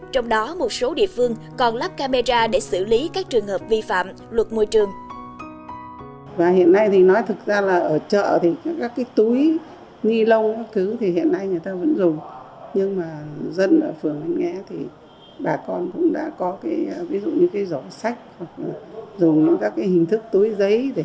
trong đó một số địa phương còn lắp camera để xử lý các trường hợp vi phạm luật môi trường